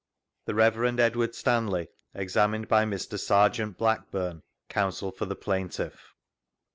The Rer. Edward Stanley examined by Mr. Serjeant BlackburNk (Counsel/or the Plaintiff).